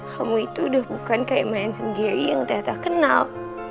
kamu itu udah bukan kayak mansum gary yang tata kenal